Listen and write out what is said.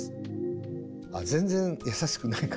あ全然やさしくないか。